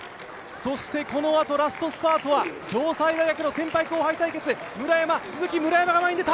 そしてこのあとラストスパートは城西大学の先輩後輩対決、村山、鈴木、村山が前に出た！